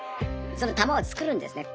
その玉を作るんですね。